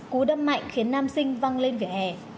cú đâm mạnh khiến nam sinh văng lên vỉa hè